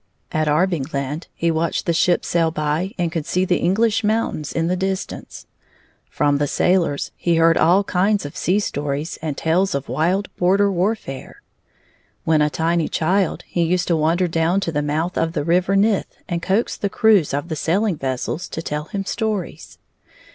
At Arbigland he watched the ships sail by and could see the English mountains in the distance. From the sailors he heard all kinds of sea stories and tales of wild border warfare. When a tiny child, he used to wander down to the mouth of the river Nith and coax the crews of the sailing vessels to tell him stories.